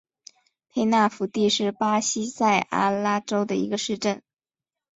佩纳福蒂是巴西塞阿拉州的一个市镇。